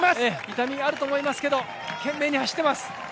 痛み、あると思いますけど懸命に走っています。